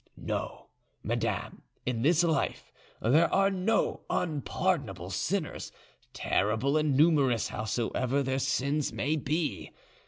No, madame, in this life there are no unpardonable sinners, terrible and numerous howsoever their sins may be.